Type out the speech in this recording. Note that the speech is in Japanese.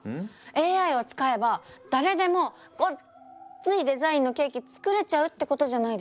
ＡＩを使えば誰でもごっついデザインのケーキ作れちゃうってことじゃないですか。